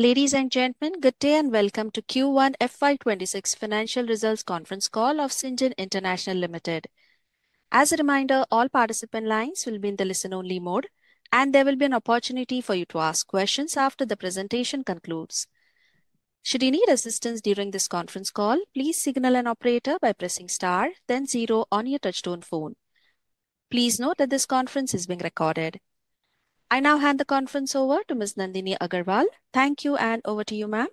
Ladies and gentlemen, good day, and welcome to Q1 FY 'twenty six Financial Results Conference Call of Syngene International Limited. And there will be an opportunity for you to ask questions after the presentation concludes. Please As note that all this conference is being recorded. I now hand the conference over to Ms. Nandini Agarwal. Thank you, and over to you, ma'am.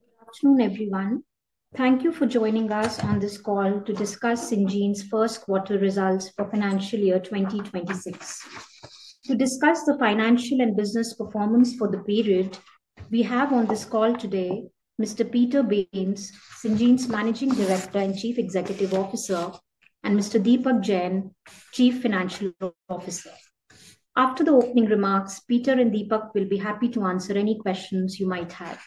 Good afternoon, everyone. Thank you for joining us on this call to discuss Syngene's first quarter results for financial year 2026. To discuss the financial and business performance for the period, we have on this call today, mister Peter Behmes, Syngene's managing director and chief executive officer and mister Deepak Jain, chief financial officer. After the opening remarks, Peter and Deepak will be happy to answer any questions you might have.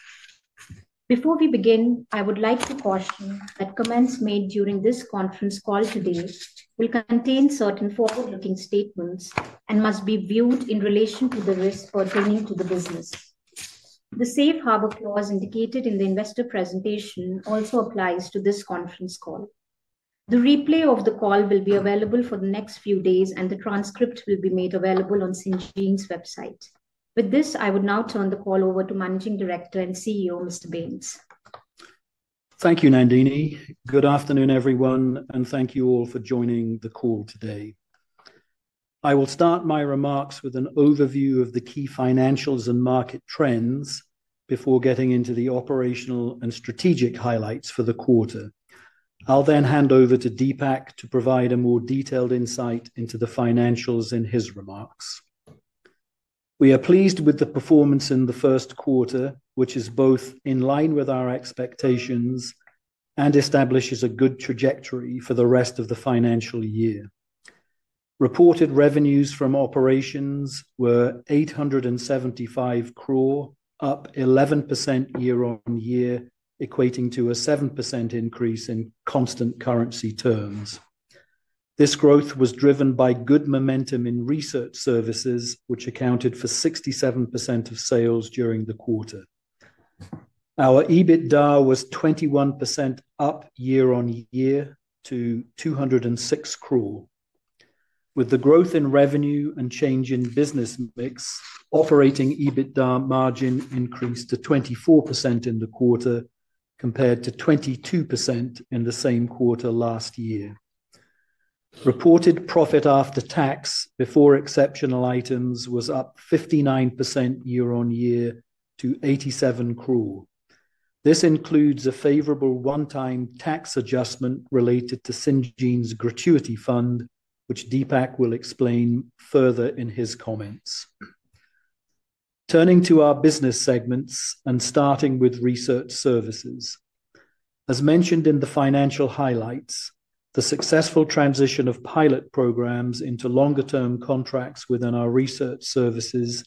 Before we begin, I would like to caution that comments made during this conference call today will contain certain forward looking statements and must be viewed in relation to the risks pertaining to the business. The safe harbor clause indicated in the investor presentation also applies to this conference call. The replay of the call will be available for the next few days, and the transcript will be made available on SingeGen's website. With this, I would now turn the call over to managing director and CEO, mister Baines. Thank you, Nandini. Good afternoon, everyone, and thank you all for joining the call today. I will start my remarks with an overview of the key financials and market trends before getting into the operational and strategic highlights for the quarter. I'll then hand over to Deepak to provide a more detailed insight into the financials in his remarks. We are pleased with the performance in the first quarter, which is both in line with our expectations and establishes a good trajectory for the rest of the financial year. Reported revenues from operations were 875 crore, up 11% year on year, equating to a 7% increase in constant currency terms. This growth was driven by good momentum in research services, which accounted for 67% of sales during the quarter. Our EBITDA was 21% up year on year to 206 crore. With the growth in revenue and change in business mix, operating EBITDA margin increased to 24% in the quarter compared to 22% in the same quarter last year. Reported profit after tax before exceptional items was up 59% year on year to 87 crore. This includes a favorable onetime tax adjustment related to Syngene's gratuity fund, which Deepak will explain further in his comments. Turning to our business segments and starting with research services. As mentioned in the financial highlights, the successful transition of pilot programs into longer term contracts within our research services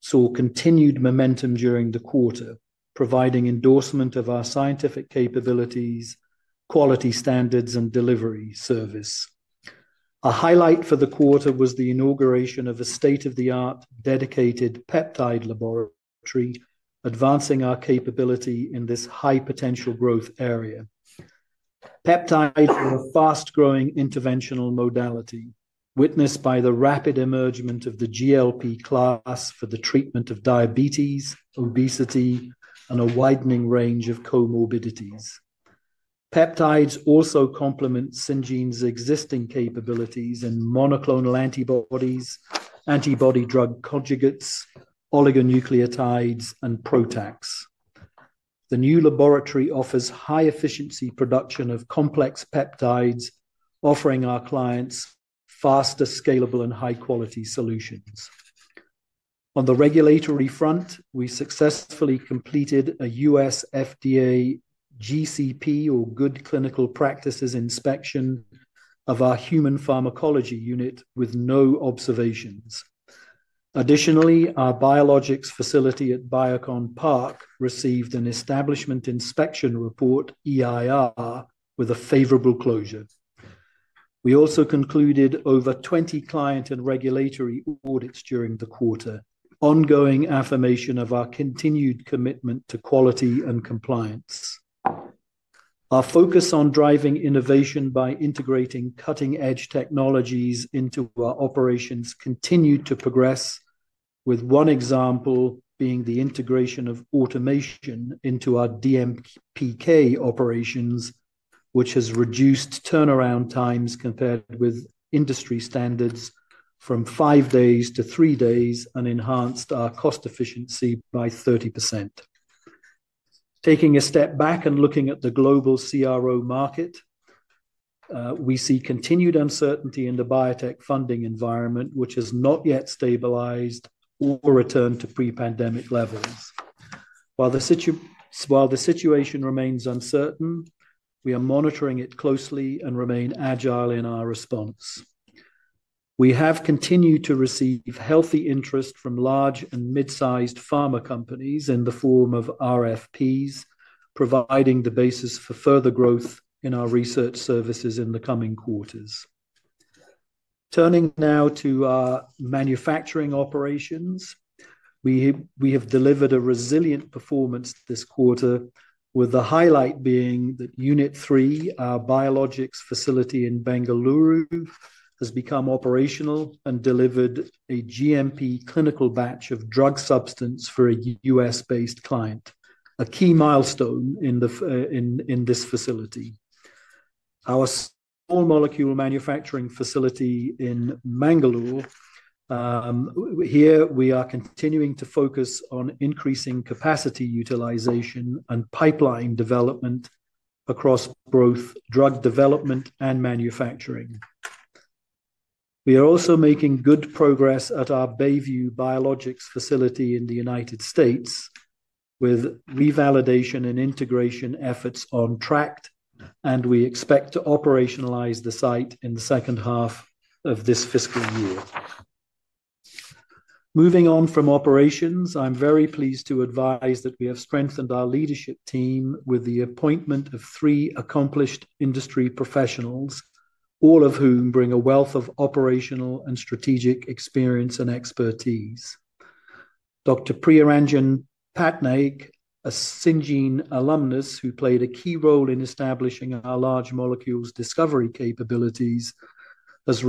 saw continued momentum during the quarter, providing endorsement of our scientific capabilities, quality standards, delivery service. A highlight for the quarter was the inauguration of a state of the art dedicated peptide laboratory, advancing our capability in this high potential growth area. Peptides are a fast growing interventional modality, witnessed by the rapid emergence of the GLP class for the treatment of diabetes, obesity, and a widening range of comorbidities. Peptides also complement Syngene's existing capabilities in monoclonal antibodies, antibody drug conjugates, oligonucleotides, and protax. The new laboratory offers high efficiency production of complex peptides, offering our clients faster, scalable, and high quality solutions. On the regulatory front, we successfully completed a US FDA GCP or good clinical practices inspection of our human pharmacology unit with no observations. Additionally, our biologics facility at Biocon Park received an establishment inspection report, EIR, with a favorable closure. We also concluded over 20 client and regulatory audits during the quarter, ongoing affirmation of our continued commitment to quality and compliance. Our focus on driving innovation by integrating cutting edge technologies into our operations continued to progress, with one example being the integration of automation into our DMPK operations, which has reduced turnaround times compared with industry standards from five days to three days and enhanced our cost efficiency by 30%. Taking a step back and looking at the global CRO market, we see continued uncertainty in the biotech funding environment, which has not yet stabilized or returned to pre pandemic levels. While the while the situation remains uncertain, we are monitoring it closely and remain agile in our response. We have continued to receive healthy interest from large and midsized pharma companies in the form of RFPs, providing the basis for further growth in our research services in the coming quarters. Turning now to our manufacturing operations. We we have delivered a resilient performance this quarter with the highlight being that Unit 3, our biologics facility in Bengaluru, has become operational and delivered a GMP clinical batch of drug substance for a US based client, a key milestone in the in in this facility. Our small molecule manufacturing facility in Mangalore, here, we are continuing to focus on increasing capacity utilization and pipeline development across both drug development and manufacturing. We are also making good progress at our Bayview biologics facility in The United States with revalidation and integration efforts on track, and we expect to operationalize the site in the second half of this fiscal year. Moving on from operations, I'm very pleased to advise that we have strengthened our leadership team with the appointment of three accomplished industry professionals, all of whom bring a wealth of operational and strategic experience and expertise. Doctor Priaranjan Patnaik, a Syngene alumnus who played a key role in establishing our large molecules discovery capabilities, has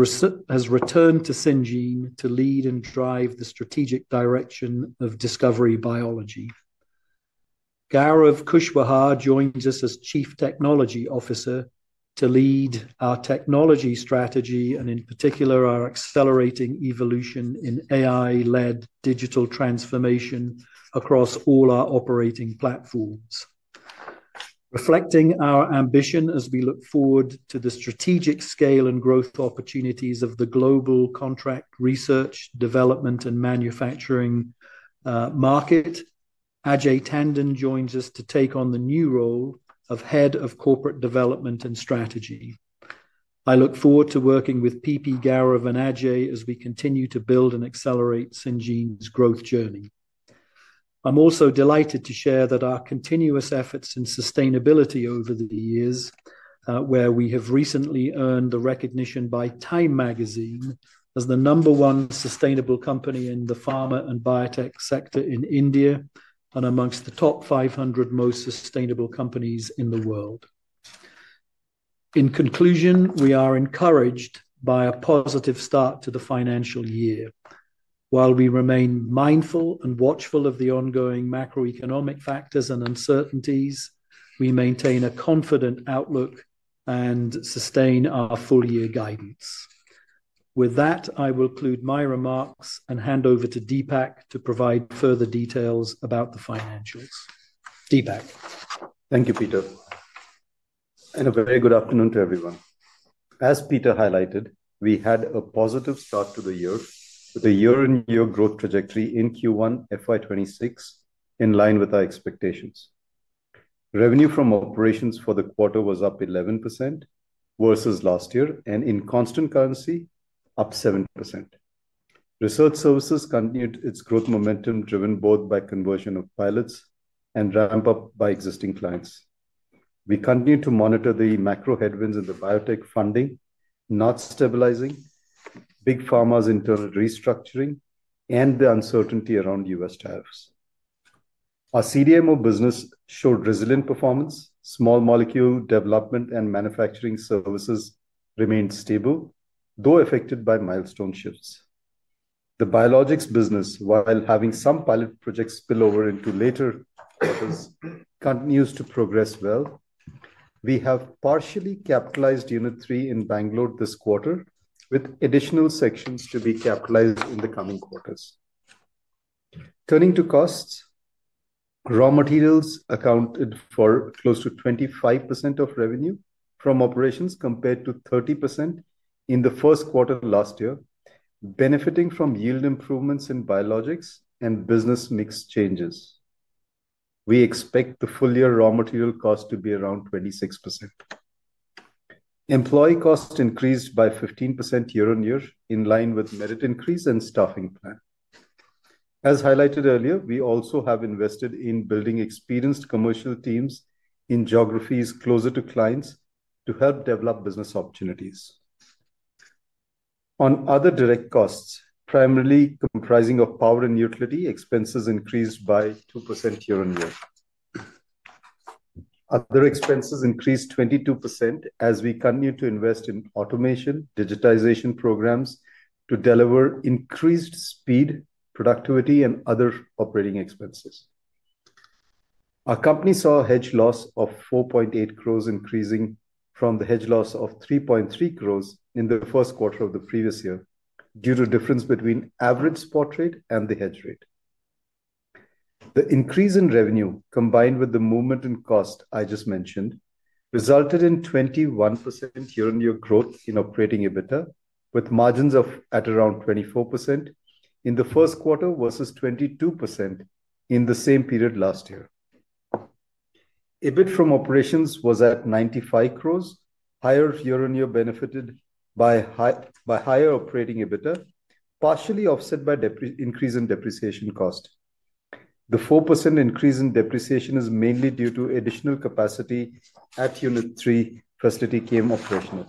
has returned to Syngene to lead and drive the strategic direction of discovery biology. Gaurav Kushwaha joins us as chief technology officer to lead our technology strategy and, in particular, our accelerating evolution in AI led digital transformation across all our operating platforms. Reflecting our ambition as we look forward to the strategic scale and growth opportunities of the global contract research, development, and manufacturing market, Ajay Tandon joins us to take on the new role of head of corporate development and strategy. I look forward to working with PP, Gaurav, and Ajay as we continue to build and accelerate Syngene's growth journey. I'm also delighted to share that our continuous efforts in sustainability over the years, where we have recently earned the recognition by Time Magazine as the number one sustainable company in the pharma and biotech sector in India and amongst the top 500 most sustainable companies in the world. In conclusion, we are encouraged by a positive start to the financial year. While we remain mindful and watchful of the ongoing macroeconomic factors and uncertainties, we maintain a confident outlook and sustain our full year guidance. With that, I will conclude my remarks and hand over to Deepak to provide further details about the financials. Deepak? Thank you, Peter, and a very good afternoon to everyone. As Peter highlighted, we had a positive start to the year with a year on year growth trajectory in Q1 FY 'twenty six, in line with our expectations. Revenue from operations for the quarter was up 11% versus last year and in constant currency, up 7%. Research services continued its growth momentum driven both by conversion of pilots and ramp up by existing clients. We continue to monitor the macro headwinds in the biotech funding, not stabilizing, big pharma's internal restructuring, and the uncertainty around US tariffs. Our CDMO business showed resilient performance. Small molecule development and manufacturing services remained stable, though affected by milestone shifts. The Biologics business, while having some pilot projects spillover into later quarters, continues to progress well. We have partially capitalized Unit 3 in Bangalore this quarter with additional sections to be capitalized in the coming quarters. Turning to costs. Raw materials accounted for close to 25% of revenue from operations compared to 30% in the first quarter of last year, benefiting from yield improvements in biologics and business mix changes. We expect the full year raw material cost to be around 26%. Employee costs increased by 15% year on year, in line with merit increase and staffing plan. As highlighted earlier, we also have invested in building experienced commercial teams in geographies closer to clients to help develop business opportunities. On other direct costs, primarily comprising of power and utility, expenses increased by 2% year on year. Other expenses increased 22% as we continue to invest in automation, digitization programs to deliver increased speed, productivity, and other operating expenses. Our company saw a hedge loss of 4.8 crores increasing from the hedge loss of 3.3 crores in the first quarter of the previous year due to difference between average spot rate and the hedge rate. The increase in revenue, combined with the movement in cost I just mentioned, resulted in 21% year on year growth in operating EBITDA with margins of at around 24% in the first quarter versus 22% in the same period last year. EBIT from operations was at 95 crores, Higher year on year benefited by higher operating EBITDA, partially offset by increase in depreciation cost. The 4% increase in depreciation is mainly due to additional capacity at Unit 3 Frasity KM operational.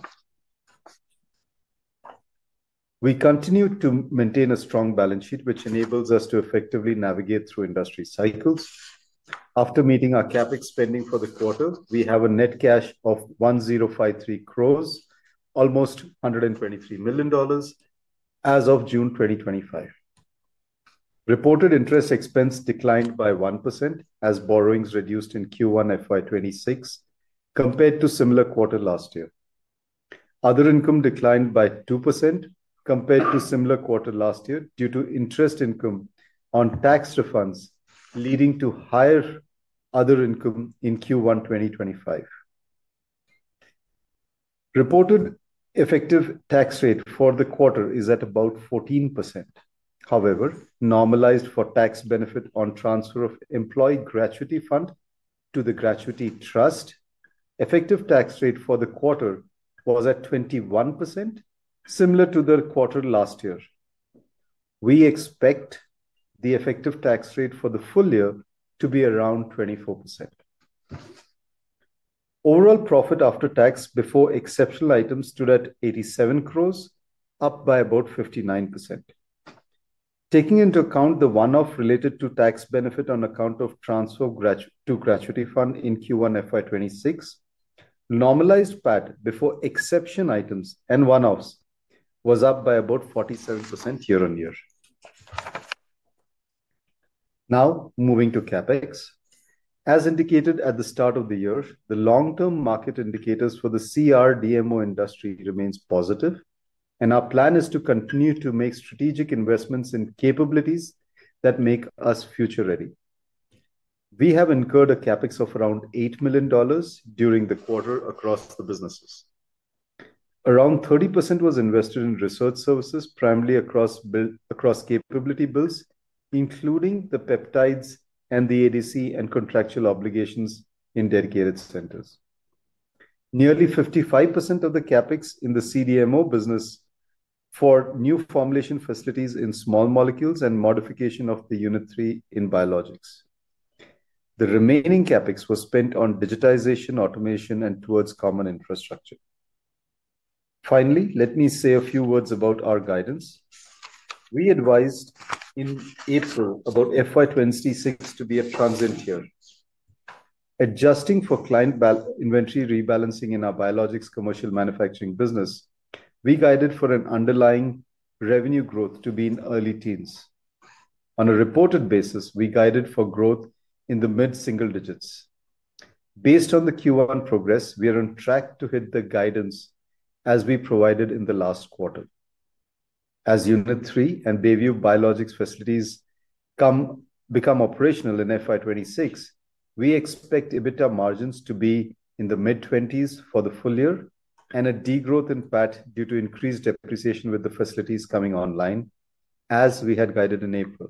We continue to maintain a strong balance sheet, which enables us to effectively navigate through industry cycles. After meeting our CapEx spending for the quarter, we have a net cash of 1053 crores, almost $123,000,000 as of June 2025. Reported interest expense declined by 1% as borrowings reduced in Q1 FY 'twenty six compared to similar quarter last year. Other income declined by 2% compared to similar quarter last year due to interest income on tax refunds, leading to higher other income in Q1 twenty twenty five. Reported effective tax rate for the quarter is at about 14%. However, normalized for tax benefit on transfer of employed gratuity fund to the gratuity trust, effective tax rate for the quarter was at 21%, similar to the quarter last year. We expect the effective tax rate for the full year to be around 24%. Overall profit after tax before exceptional items stood at 87 crores, up by about 59%. Taking into account the one off related to tax benefit on account of transfer to gratuity fund in Q1 FY 'twenty six, normalized PAT before exception items and one offs was up by about 47% year on year. Now moving to CapEx. As indicated at the start of the year, the long term market indicators for the CRDMO industry remains positive, and our plan is to continue to make strategic investments in capabilities that make us future ready. We have incurred a CapEx of around $8,000,000 during the quarter across the businesses. Around 30% was invested in research services, primarily across bill across capability bills, including the peptides and the ADC and contractual obligations in dedicated centers. Nearly 55% of the CapEx in the CDMO business for new formulation facilities in small molecules and modification modification of the Unit three in Biologics. The remaining CapEx was spent on digitization, automation and towards common infrastructure. Finally, let me say a few words about our guidance. We advised in April about FY 'twenty six to be a transient year. Adjusting for client inventory rebalancing in our Biologics commercial manufacturing business, we guided for an underlying revenue growth to be in early teens. On a reported basis, we guided for growth in the mid single digits. Based on the Q1 progress, we are on track to hit the guidance as we provided in the last quarter. As Unit three and Bayview Biologics facilities become operational in FY 'twenty six, we expect EBITDA margins to be in the mid-20s for the full year and a degrowth impact due to increased depreciation with the facilities coming online as we had guided in April.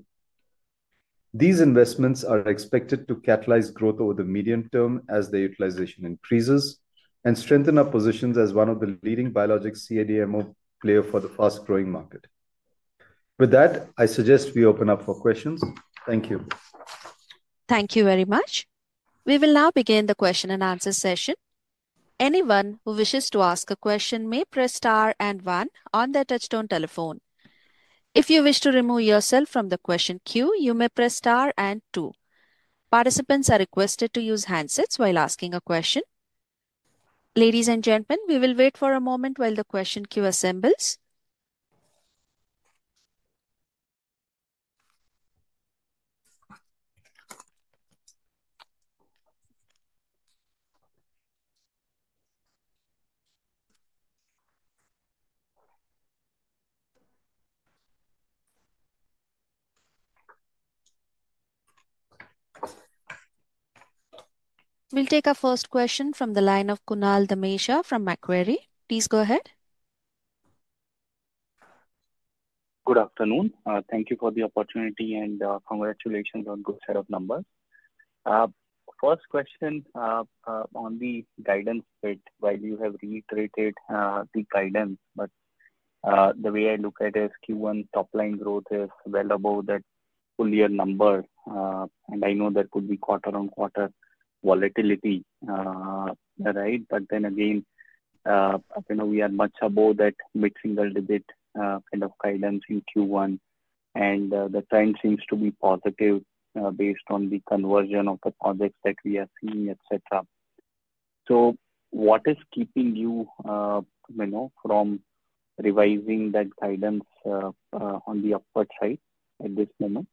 These investments are expected to catalyze growth over the medium term as the utilization increases and strengthen our positions as one of the leading biologic CADMO player for the fast growing market. With that, I suggest we open up for questions. Thank you. Thank you very much. We will now begin the question and answer session. We'll take our first question from the line of Kunal Damesha from Macquarie. Congratulations on good set of numbers. First question on the guidance, right, why you have reiterated the guidance. But the way I look at it is q one top line growth is well above that full year number, and I know that could be quarter on quarter volatility. Right? But then again, you know, we are much above that mid single digit kind of guidance in q one, and the the time seems to be positive based on the conversion of the projects that we are seeing, etcetera. So what is keeping you, Menno, from revising that guidance on the upward side at this moment?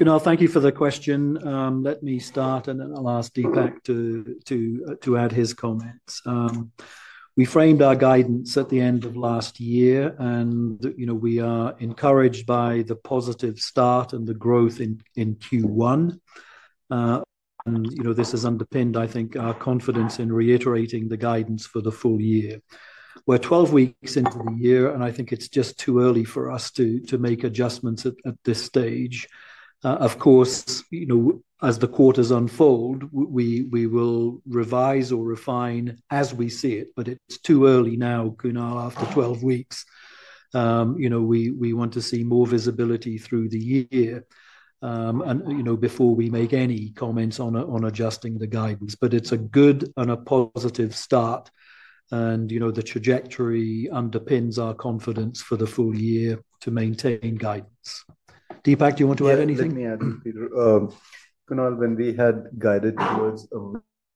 Kunal, thank you for the question. Let me start, and then I'll ask Deepak to to add his comments. We framed our guidance at the end of last year, and, you know, we are encouraged by the positive start and the growth in in q one. And, you know, this has underpinned, I think, our confidence in reiterating the guidance for the full year. We're twelve weeks into the year, and I think it's just too early for us to to make adjustments at at this stage. Of course, you know, as the quarters unfold, we we will revise or refine as we see it, but it's too early now, Kunal, after twelve weeks. You know, we we want to see more visibility through the year and you know, before we make any comments on on adjusting the guidance. But it's a good and a positive start, and, you know, the trajectory underpins our confidence for the full year to maintain guidance. Deepak, you want to add anything? Me add, Peter. Kunal, when we had guided towards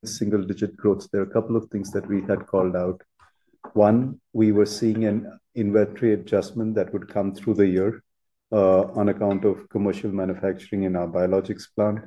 single digit growth, there are a couple of things that we had called out. One, we were seeing an inventory adjustment that would come through the year on account of commercial manufacturing in our biologics plant.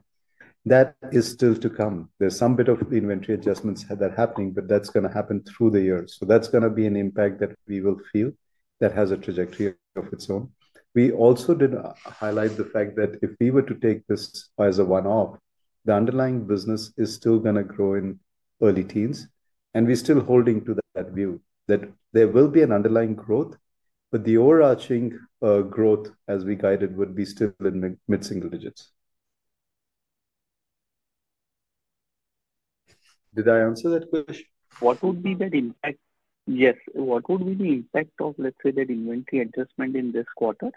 That is still to come. There's some bit of inventory adjustments that are happening, but that's gonna happen through the year. So that's gonna be an impact that we will feel that has a trajectory of its own. We also did highlight the fact that if we were to take this as a one off, the underlying business is still gonna grow in early teens, and we're still holding to that view that there will be an underlying growth, but the overarching growth as we guided would be still in mid mid single digits. Did I answer that question? What would be the impact? Yes. What would be the impact of, let's say, that inventory adjustment in this quarter?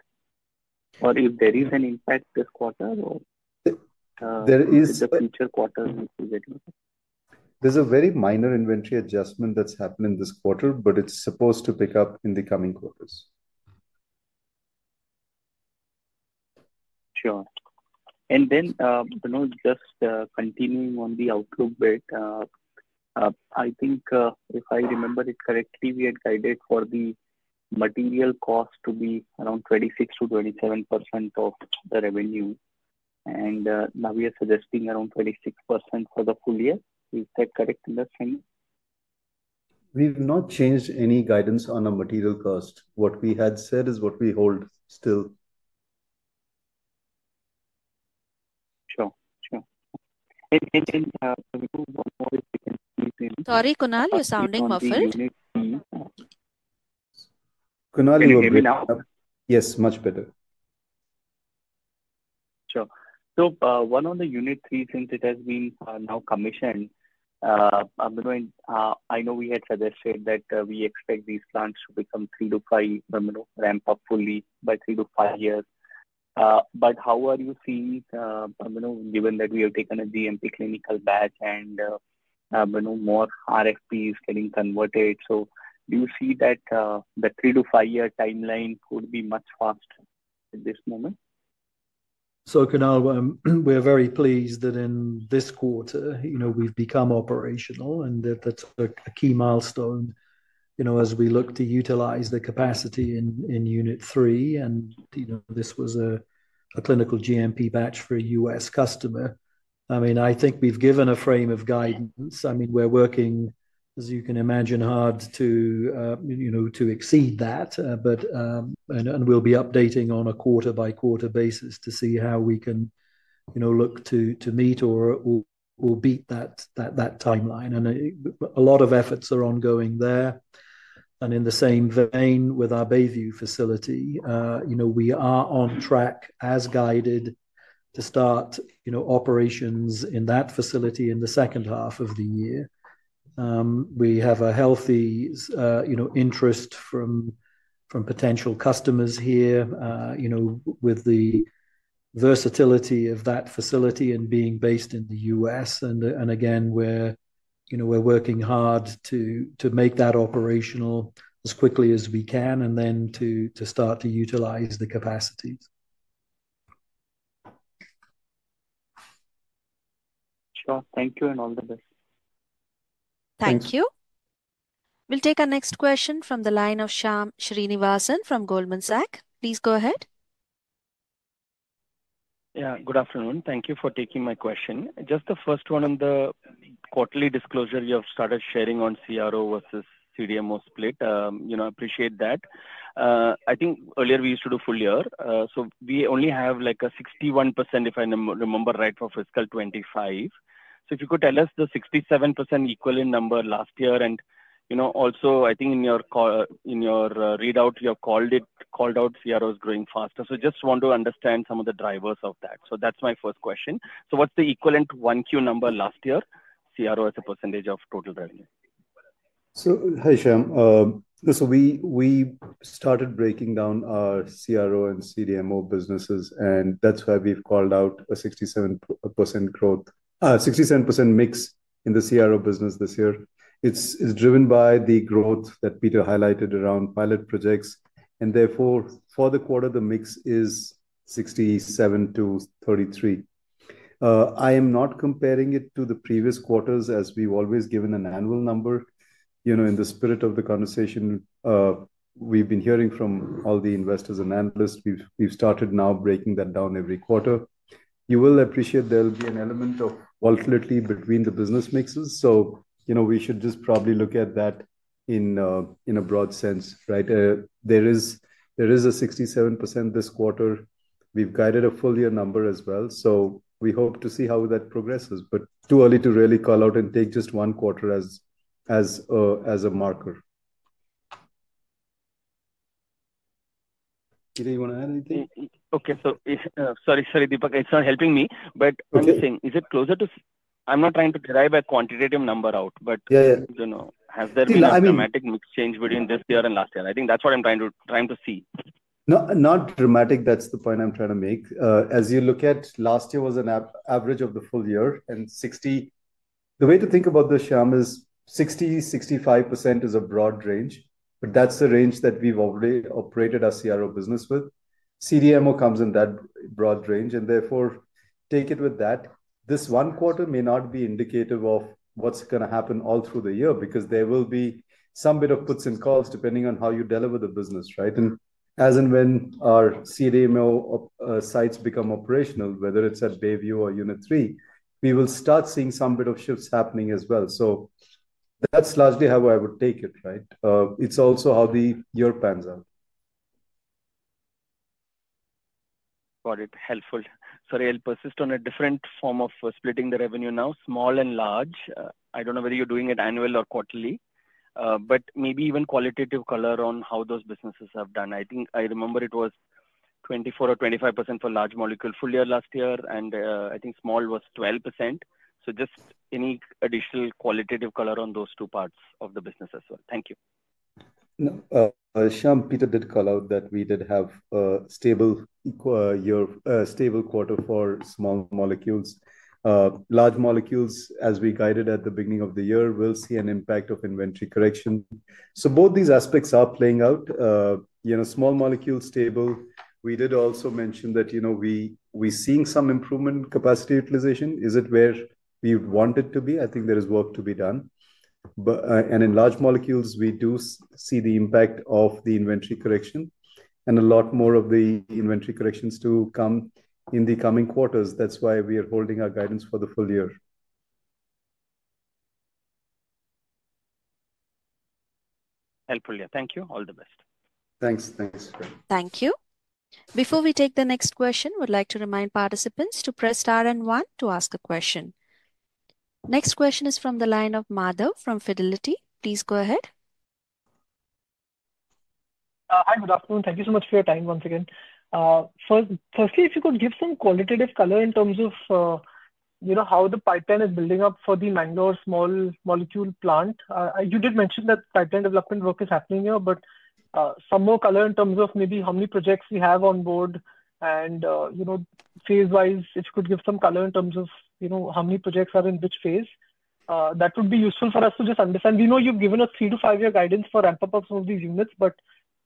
Or if there is an impact this quarter? Or There is in the future quarter, if you get There's a very minor inventory adjustment that's happened in this quarter, but it's supposed to pick up in the coming quarters. Sure. And then, Benoit, just continuing on the outlook bit, I think if I remember it correctly, we had guided for the material cost to be around 26 to 27% of the revenue. And now we are suggesting around 26% for the full year. Is that correct in that thing? We've not changed any guidance on a material cost. What we had said is what we hold still. Sure. Sure. Sorry, Kunal. You're sounding muffled. Kunal, you're muted. Yes. Much better. Sure. So one of the Unit 3, since it has been now commissioned, I'm going I know we had suggested that we expect these plans to become three to five, I mean, ramp up fully by three to five years. But how are you seeing, I mean, given that we have taken a GMP clinical batch and you know, more RFPs getting converted. So do you see that the three to five year time line could be much faster at this moment? So, Kanal, we are very pleased that in this quarter, you know, we've become operational and that that's a key milestone, you know, as we look to utilize the capacity in in unit three, and, you know, this was a a clinical GMP batch for a US customer. I mean, I think we've given a frame of guidance. I mean, we're working, as you can imagine, hard to, you know, to exceed that, but and and we'll be updating on a quarter by quarter basis to see how we can, you know, look to to meet or we'll we'll beat that that that timeline. And a lot of efforts are ongoing there. And in the same vein with our Bayview facility, you know, we are on track as guided to start, you know, operations in that facility in the second half of the year. We have a healthy, you know, interest from from potential customers here, you know, with the versatility of that facility and being based in The US. And and, again, we're, you know, we're working hard to to make that operational as quickly as we can and then to to start to utilize the capacities. We'll take our next question from the line of Shyam Srinivasan from Goldman Sachs. Yeah. Good afternoon. Thank you for taking my question. Just the first one on the quarterly disclosure you have started sharing on CRO versus CDMO split. I appreciate that. I think earlier, we used to do full year. So only have, like, a 61% if I remember right for fiscal twenty five. So if you could tell us the 67% equal in number last year and, you know, also, I think in your call in your readout, you have called it called out CROs growing faster. So just want to understand some of the drivers of that. So that's my first question. So what's the equivalent one q number last year, CRO as a percentage of total revenue? So hi, Sham. So we we started breaking down our CRO and CDMO businesses, and that's why we've called out a 67% growth 67% mix in the CRO business this year. It's it's driven by the growth that Peter highlighted around pilot projects. And therefore, for the quarter, the mix is 67 to 33. I am not comparing it to the previous quarters as we've always given an annual number. You know, in the spirit of the conversation, we've been hearing from all the investors and analysts. We've we've started now breaking that down every quarter. You will appreciate there'll be an element of volatility between the business mixes. So, you know, we should just probably look at that in a in a broad sense. Right? There is there is a 67% this quarter. We've guided a full year number as well, so we hope to see how that progresses. But too early to really call out and take just one quarter as as a as a marker. Did you wanna add anything? Okay. So if sorry, sorry, Deepak. It's not helping me. But I'm just saying, is it closer to I'm not trying to derive a quantitative number out. But Yeah. Yeah. You know, has there been a dramatic mix change within this year and last year? I think that's what I'm trying to trying to see. Not not dramatic. That's the point I'm trying to make. As you look at, last year was an average of the full year and 60 the way to think about this, Shyam, is 65% is a broad range, but that's the range that we've already operated our CRO business with. CDMO comes in that broad range, and therefore, take it with that. This one quarter may not be indicative of what's gonna happen all through the year because there will be some bit of puts and calls depending on how you deliver the business. Right? And as and when our CDMO sites become operational, whether it's at Bayview or Unit 3, we will start seeing some bit of shifts happening as well. So that's largely how I would take it. Right? It's also how the your plans are. Got it. Helpful. Sorry. I'll persist on a different form of splitting the revenue now, small and large. I don't know whether you're doing it annual or quarterly, but maybe even qualitative color on how those businesses have done. I think I remember it was 24 or 25% for large molecule full year last year, and I think small was 12%. So just any additional qualitative color on those two parts of the business No. Shyam, Peter did call out that we did have a stable year stable quarter for small molecules. Large molecules, as we guided at the beginning of the year, will see an impact of inventory correction. So both these aspects are playing out. You know, small molecules stable. We did also mention that, you know, we we're seeing some improvement capacity utilization. Is it where we want it to be? I think there is work to be done. But in large molecules, we do see the impact of the inventory correction and a lot more of the inventory corrections to come in the coming quarters. That's why we are holding our guidance for the full year. Helpful year. Thank you. All the best. Thanks. Thanks. You. Next question is from the line of Madhu from Fidelity. Firstly, if you could give some qualitative color in terms of you know, how the pipeline is building up for the mango small molecule plant. You did mention that pipeline development work is happening here, but some more color in terms of maybe how many projects we have on board and, you know, phase wise, it could give some color in terms of, you know, how many projects are in which phase. That would be useful for us to just understand. We know you've given us three to five year guidance for ramp up of some of these units, but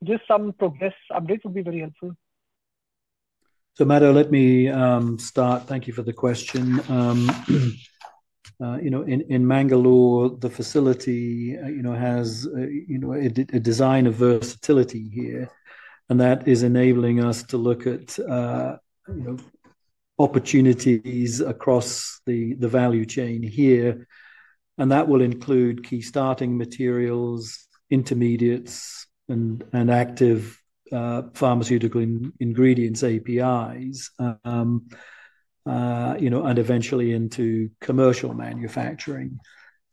just some progress updates would be very helpful. So, Matto, let me start. Thank you for the question. You know, in in Mangalore, the facility, you know, has, you know, a a design of versatility here, and that is enabling us to look at, you know, opportunities across the the value chain here, and that will include key starting materials, intermediates, and active pharmaceutical ingredients APIs, you know, and eventually into commercial manufacturing.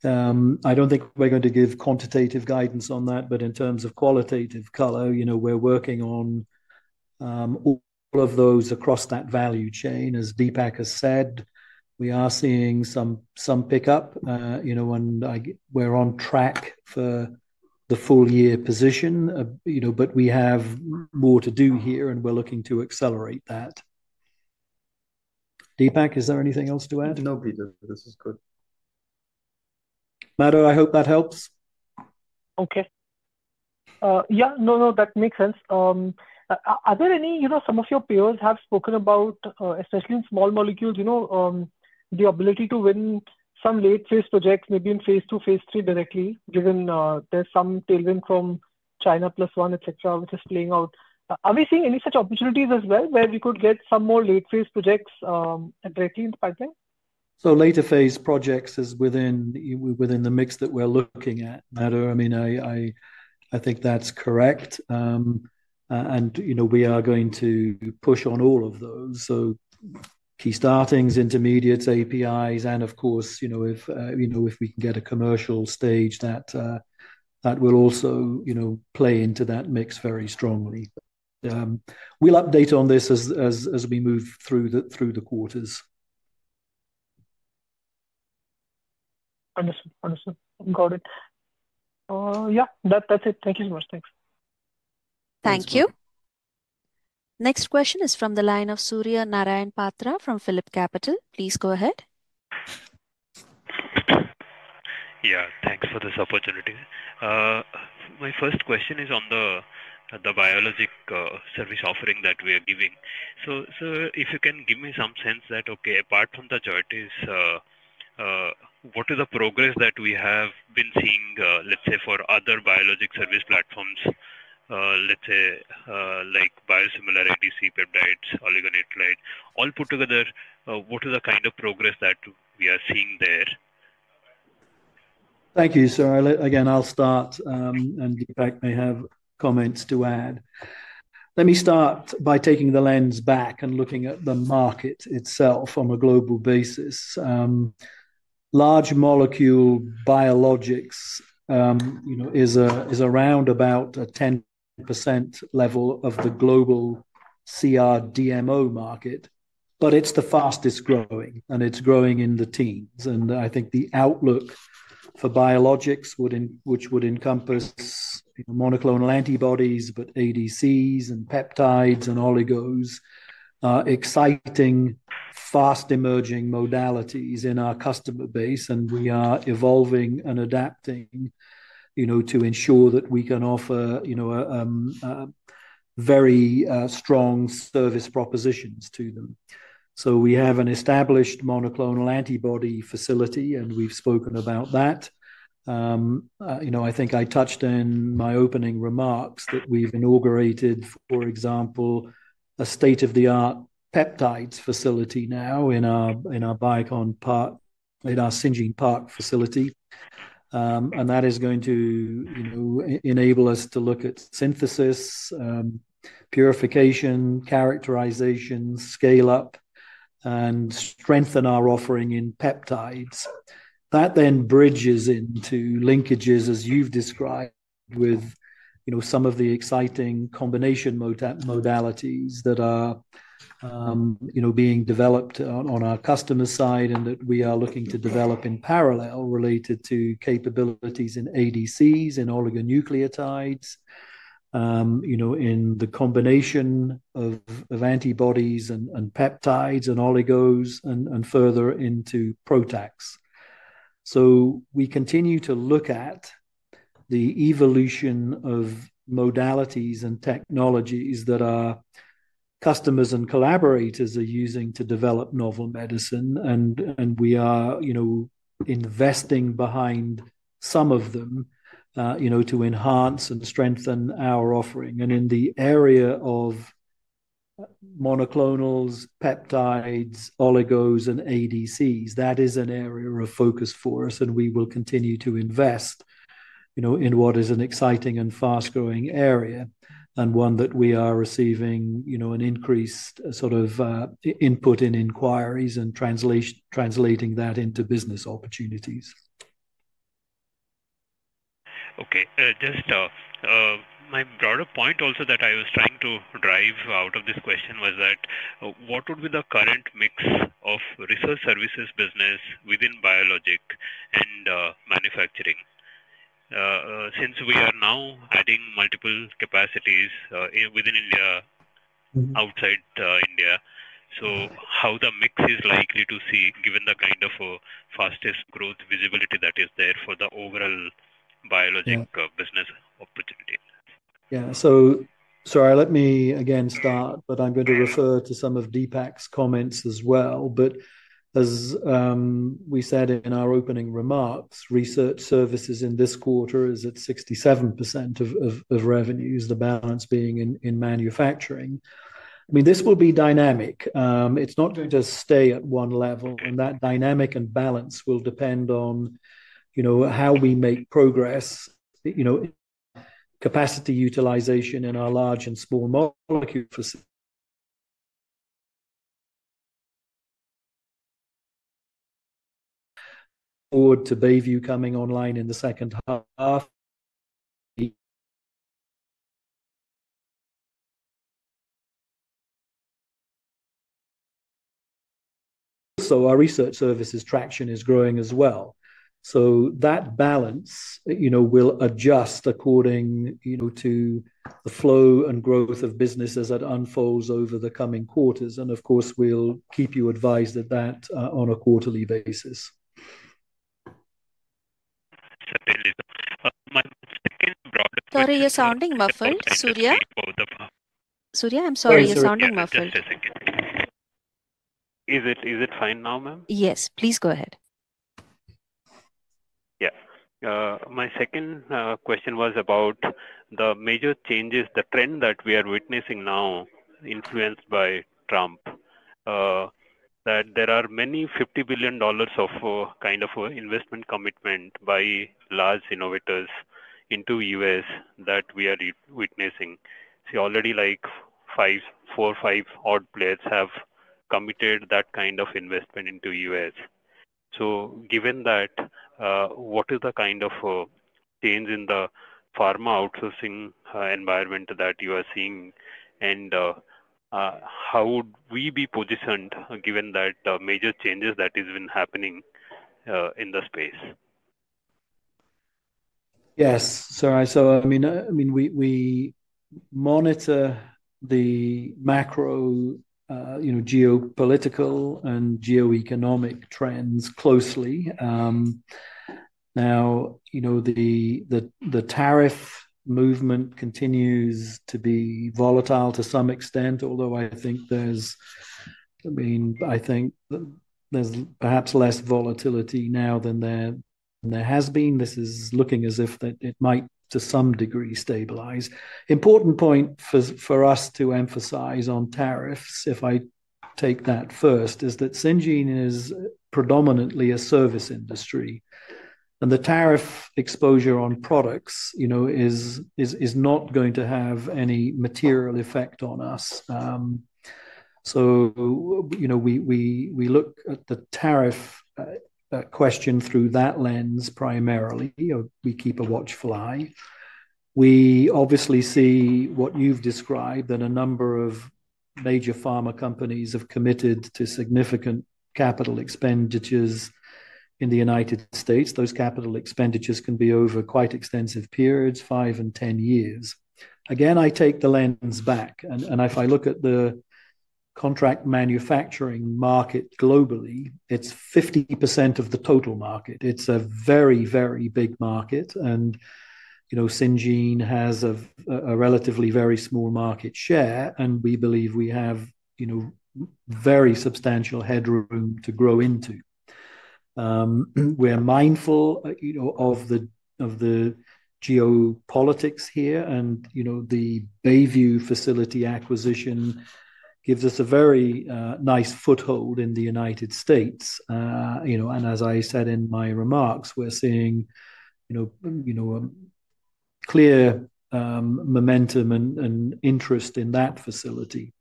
I don't think we're going to give quantitative guidance on that, but in terms of qualitative color, you know, we're working on all of those across that value chain. As Deepak has said, we are seeing some some pickup, you know, and I we're on track for the full year position, you know, but we have more to do here, and we're looking to accelerate that. Deepak, is there anything else to add? No, Peter. This is good. Madhu, I hope that helps. Okay. Yeah. No. No. That makes sense. Are there any you know, some of your peers have spoken about, especially in small molecules, you know, the ability to win some late phase projects, maybe in phase two, phase three directly given there's some tailwind from China plus one, etcetera, which is playing out. Are we seeing any such opportunities as well where we could get some more late phase projects and breaking the pipeline? So later phase projects is within within the mix that we're looking at, Madhu. I mean, I I I think that's correct. And, you know, we are going to push on all of those. So key startings, intermediates, APIs, and, of course, you know, if, you know, if we can get a commercial stage that that will also, you know, play into that mix very strongly. We'll update on this as as as we move through the through the quarters. Understood. Understood. Got it. Yes, that's it. Thank you so much. Thanks. Thank you. Question is from the line of Surya Narayanapatra from PhillipCapital. Yes. Thanks for this opportunity. My first question is on the biologic service offering that we are giving. So if you can give me some sense that, okay, apart from the Jyotis, what is the progress that we have been seeing, let's say, other biologic service platforms? Let's say, like, biosimilar IDC peptides, oligonucleotide. All put together, what is the kind of progress that we are seeing there? Thank you, sir. I'll let again, I'll start, and Deepak may have comments to add. Let me start by taking the lens back and looking at the market itself on a global basis. Large molecule biologics, you know, is a is around about a 10% level of the global CRDMO market, but it's the fastest growing, and it's growing in the teens. And I think the outlook for biologics would which would encompass monoclonal antibodies, but ADCs and peptides and oligos, exciting fast emerging modalities in our customer base, and we are evolving and adapting, you know, to ensure that we can offer, you know, very strong service propositions to them. So we have an established monoclonal antibody facility, and we've spoken about that. You know, I think I touched in my opening remarks that we've inaugurated, for example, a state of the art peptide facility now in our in our Baikon Park in our Xinjiang Park facility, and that is going to, you know, enable us to look at synthesis, purification, characterization, scale up, and strengthen our offering in peptides. That then bridges into linkages, as you've described, with, you know, some of the exciting combination motep modalities that are, you know, being developed on on our customer side and that we are looking to develop in parallel related to capabilities in ADCs and oligonucleotides, you know, in the combination of of antibodies and and peptides and oligos and and further into protax. So we continue to look at the evolution of modalities and technologies that our customers and collaborators are using to develop novel medicine, and and we are, you know, investing behind some of them, you know, to enhance and strengthen our offering. And in the area of monoclonals, peptides, oligos, and ADCs, that is an area of focus for us, and we will continue to invest, you know, in what is an exciting and fast growing area and one that we are receiving, you know, an increased sort of input in inquiries and translate translating that into business opportunities. Okay. Just my broader point also that I was trying to drive out of this question was that what would be the current mix of Resource Services business within Biologics and Manufacturing? Since we are now adding multiple capacities within India Mhmm. Outside India, so how the mix is likely to see given the kind of fastest growth visibility that is there for the overall biologic business opportunity? Yeah. So sorry. Let me again start, but I'm going to refer to some of Deepak's comments as well. But as we said in our opening remarks, research services in this quarter is at 67% of of of revenues, the balance being in in manufacturing. I mean, this will be dynamic. It's not going to stay at one level, and that dynamic and balance will depend on, you know, how we make progress, you know, capacity utilization in our large and small molecule forward to Bayview coming online in the second half. So our research services traction is growing as well. So that balance, you know, will adjust according, you know, to the flow and growth of businesses that unfolds over the coming quarters. And, of course, we'll keep you advised of that, on a quarterly basis. Sir, there is a my second Sorry. You're sounding muffled, Surya? Surya, I'm sorry. You're sounding muffled. Is it is it fine now, ma'am? Yes. Please go ahead. Yes. My second question was about the major changes, the trend that we are witnessing now influenced by Trump. That there are many $50,000,000,000 of kind of investment commitment by large innovators into US that we are re witnessing. See, already, like, five four, five odd players have committed that kind of investment into US. So given that, what is the kind of change in the pharma outsourcing environment that you are seeing? And how would we be positioned given that major changes that has been happening in the space? Yes. So I saw I mean I mean, we we monitor the macro, you know, geopolitical and geoeconomic trends closely. Now, you know, the the the tariff movement continues to be volatile to some extent, although I think there's I mean, I think there's perhaps less volatility now than there than there has been. This is looking as if that it might, to some degree, stabilize. Important point for for us to emphasize on tariffs, if I take that first, is that Syngene is predominantly a service industry, and the tariff exposure on products, you know, is is is not going to have any material effect on us. So, you know, we we we look at the tariff question through that lens primarily. We keep a watch fly. We obviously see what you've described that a number of major pharma companies have committed to significant capital expenditures in The United States. Those capital expenditures can be over quite extensive periods, five and ten years. Again, I take the lens back. And and if I look at the contract manufacturing market globally, it's 50% of the total market. It's a very, very big market. And, you know, Syngene has a relatively very small market share, and we believe we have, you know, very substantial headroom to grow into. We are mindful, you know, of the of the geopolitics here, and, you know, the Bayview facility acquisition gives us a very nice foothold in The United States. You know? And as I said in my remarks, we're seeing, you know you know, clear momentum and and interest in that facility.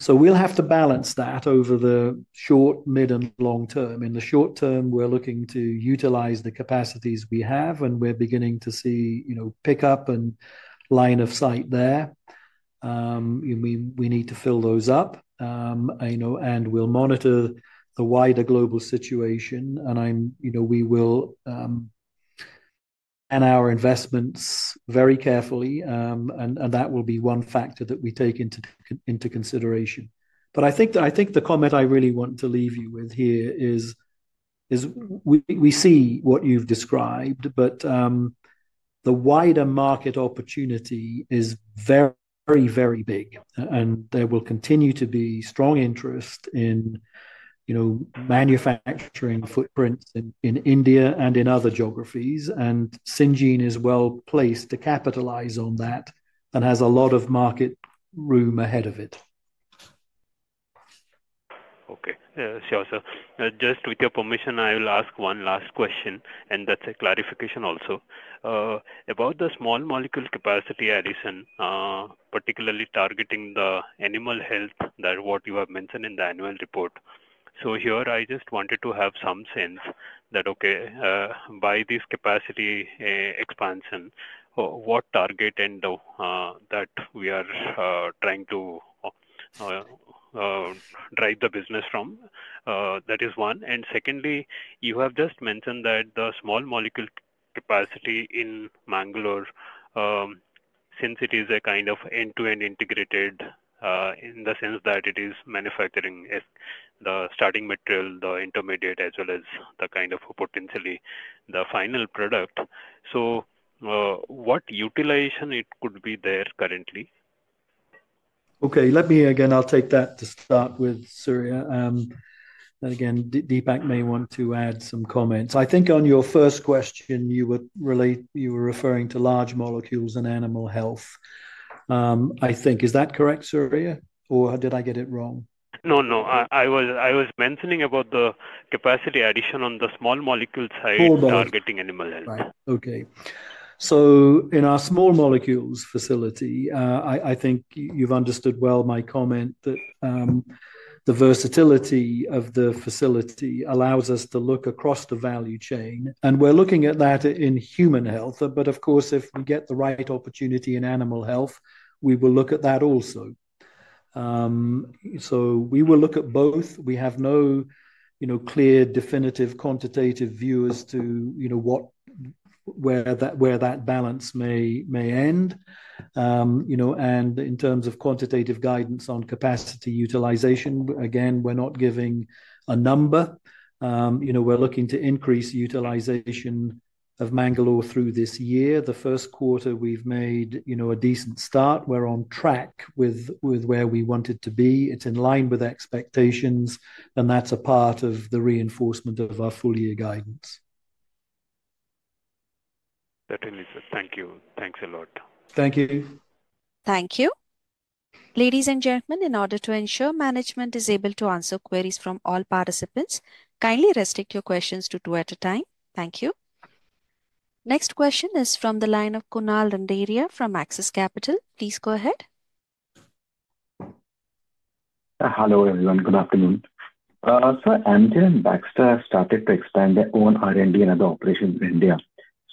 So we'll have to balance that over the short, mid, and long term. In the short term, we're looking to utilize the capacities we have, and we're beginning to see, you know, pickup and line of sight there. We we need to fill those up, you know, and we'll monitor the wider global situation. And I'm you know, we will and our investments very carefully, and and that will be one factor that we take into into consideration. But I think I think the comment I really want to leave you with here is is we we see what you've described, but the wider market opportunity is very, very big. And there will continue to be strong interest in, you know, manufacturing footprint in in India and in other geographies, and Syngene is well placed to capitalize on that and has a lot of market room ahead of it. Okay. Sure, sir. Just with your permission, I will ask one last question, and that's a clarification also. About the small molecule capacity addition, particularly targeting the animal health that what you have mentioned in the annual report. So here, I just wanted to have some sense that, okay, by this capacity expansion, what target and that we are trying to drive the business from? That is one. And secondly, you have just mentioned that the small molecule capacity in Mangalore, since it is a kind of end to end integrated, in the sense that it is manufacturing the starting material, the intermediate, as well as the kind of potentially the final product. So what utilization it could be there currently? Okay. Let me again, I'll take that to start with, Surya. And, again, Deepak may want to add some comments. I think on your first question, you would relate you were referring to large molecules and animal health, I think. Is that correct, Surya, or did I get it wrong? No. No. I I was I was mentioning about the capacity addition on the small molecule side targeting animal health. Right. Okay. So in our small molecules facility, I I think you've understood well my comment that the versatility of the facility allows us to look across the value chain, and we're looking at that in human health. But, of course, if we get the right opportunity in animal health, we will look at that also. So we will look at both. We have no, you know, clear definitive quantitative view as to, you know, what where that where that balance may may end. You know? And in terms of quantitative guidance on capacity utilization, again, we're not giving a number. You know, we're looking to increase utilization of Bangalore through this year. The first quarter, we've made, you know, a decent start. We're on track with with where we wanted to be. It's in line with expectations, and that's a part of the reinforcement of our full year guidance. Certainly, sir. Thank you. Thanks a lot. Thank you. Thank you. Next question is from the line of Kunal Rundharia from Axis Capital. Sir, Amgen and Baxter have started to expand their own R and D and other operations in India.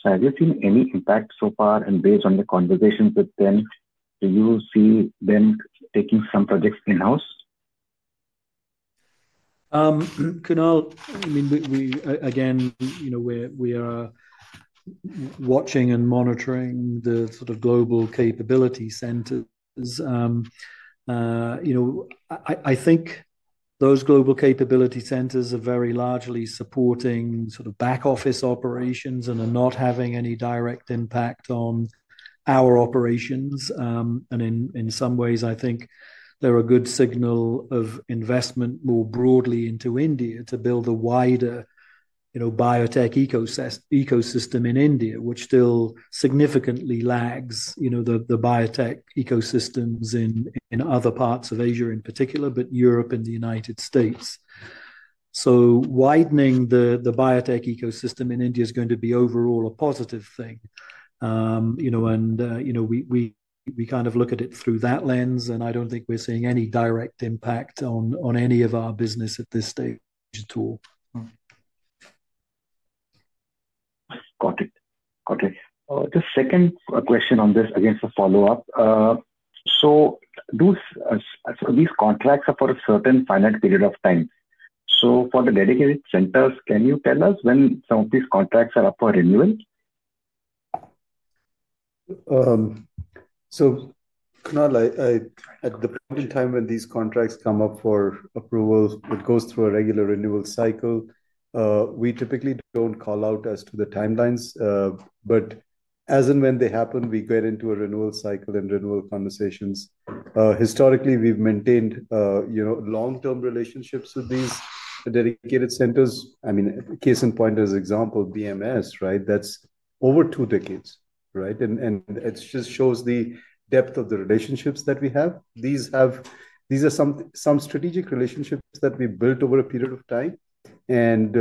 So have you seen any impact so far? And based on the conversations with them, do you see them taking some projects in house? Canal I mean, we we again, you know, we're we are watching and monitoring the sort of global capability center. You know, I I think those global capability centers are very largely supporting sort of back office operations and are not having any direct impact on our operations. And in in some ways, I think they're a good signal of investment more broadly into India to build a wider, you know, biotech eco in India, which still significantly lags, you know, the the biotech ecosystems in in other parts of Asia in particular, but Europe and The United States. So widening the the biotech ecosystem in India is going to be overall a positive thing. You know? And, you know, we we we kind of look at it through that lens, and I don't think we're seeing any direct impact on on any of our business at this stage at all. Got it. Got it. The second question on this, I guess, a follow-up. So those so these contracts are for a certain finite period of time. So for the dedicated centers, can you tell us when some of these contracts are up for renewal? So, Kunal, I I at the point in time when these contracts come up for approvals, it goes through a regular renewal cycle. We typically don't call out as to the timelines. But as and when they happen, we get into a renewal cycle and renewal conversations. Historically, we've maintained, you know, long term relationships with these dedicated centers. I mean, case in point as example, BMS. Right? That's over two decades. Right? And and it just shows the depth of the relationships that we have. These have these are some some strategic relationships that we built over a period of time. And